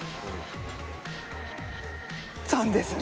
３ですね。